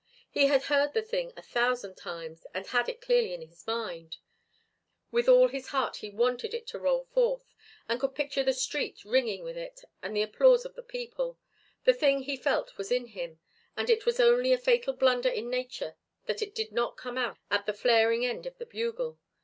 He had heard the thing a thousand times and had it clearly in his mind; with all his heart he wanted it to roll forth, and could picture the street ringing with it and the applause of the people; the thing, he felt, was in him, and it was only a fatal blunder in nature that it did not come out at the flaring end of the bugle.